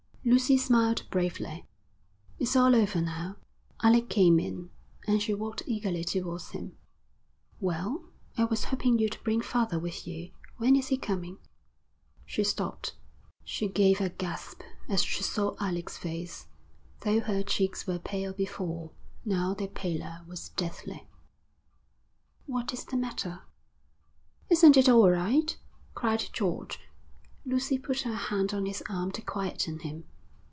Lucy smiled bravely. 'It's all over now.' Alec came in, and she walked eagerly towards him. 'Well? I was hoping you'd bring father with you. When is he coming?' She stopped. She gave a gasp as she saw Alec's face. Though her cheeks were pale before, now their pallor was deathly. 'What is the matter?' 'Isn't it all right?' cried George. Lucy put her hand on his arm to quieten him.